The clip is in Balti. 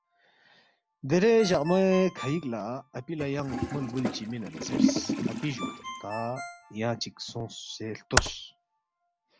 دیرے جقمے کھئِک لہ اپی لہ ینگ خمُول بُول چی مِنے نہ زیرس، ”اپی جُو تا یانگ چِک سونگسے ہلتوس